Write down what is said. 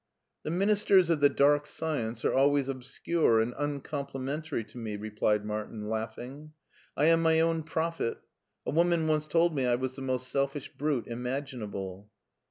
"The ministers of the dark science are always obscure and uncomplimentary to me," replied Martin laughing. " I am my own prophet. A woman once told me I was the most selfish brute imaginable."